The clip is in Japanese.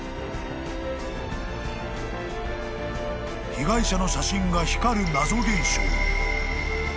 ［被害者の写真が光る謎現象］